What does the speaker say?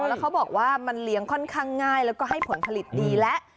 แล้วเขาบอกว่ามันเลี้ยงค่อนข้างง่ายแล้วก็ให้ผลผลิตดีแล้ว